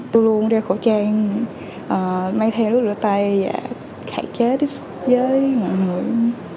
tôi luôn đeo khẩu trang mang theo lúc lửa tay và khai kết với mọi người